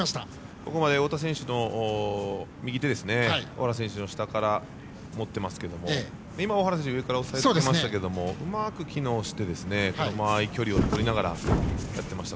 ここも太田選手の右手尾原選手の下から持っていますが今、尾原選手が下でしたがうまく機能して間合い、距離をとりながらやっていました。